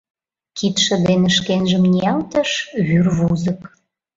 Кидше дене шкенжым ниялтыш — вӱрвузык.